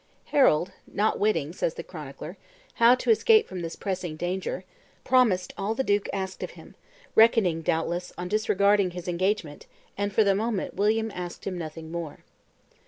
Harold, "not witting," says the chronicler, "how to escape from this pressing danger," promised all the duke asked of him, reckoning, doubt less, on disregarding his engagement; and for the moment William asked him nothing more.